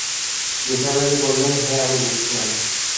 নিসার আলি বললেন, হ্যাঁ, আমি বুদ্ধিমান।